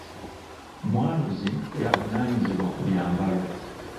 Mwanuzi ye avunaanyizibwa ku byambalo.